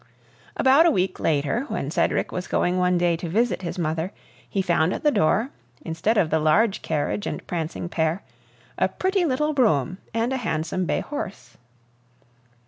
About a week later, when Cedric was going one day to visit his mother, he found at the door, instead of the large carriage and prancing pair, a pretty little brougham and a handsome bay horse.